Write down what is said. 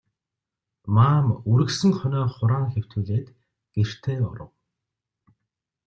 Маам үргэсэн хонио хураан хэвтүүлээд гэртээ оров.